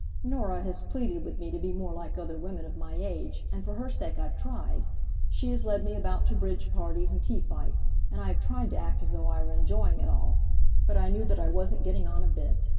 Norah has pleaded with me to be more like other women of my age, and for her sake I've tried. She has led me about to bridge parties and tea fights, and I have tried to act as though I were enjoying it all, but I knew that I wasn't getting on a bit.